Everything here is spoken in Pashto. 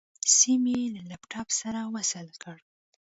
سيم يې له لپټاپ سره وصل کړ.